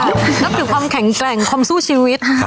นับถือความแข็งแกร่งความสู้ชีวิต